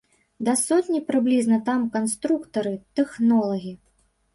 Да сотні прыблізна там, канструктары, тэхнолагі.